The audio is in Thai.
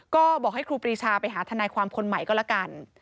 ก็บอกให้ครูปรีชาไปหาทนายความคนใหม่ก็แล้วกัน